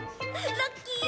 ラッキー！